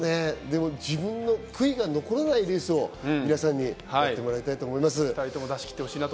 悔いが残らないレースを皆さんにやってもらいたいと思います。